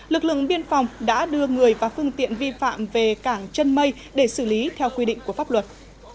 lực lượng biên phòng đã đưa người và phương tiện vi phạm về cảng chân mây để xử lý theo quy định của pháp luật